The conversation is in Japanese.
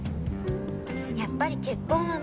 やっぱり結婚は無理。